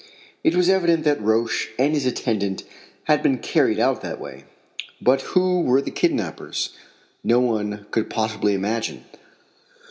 It was evident that Roch and his attendant had been carried out that way. But who were the kidnappers? No one could possibly imagine.